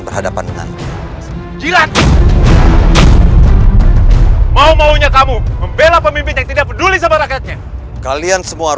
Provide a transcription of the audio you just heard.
berhadapan dengan jilat mau maunya kamu membela pemimpin tidak peduli sebarangnya kalian semua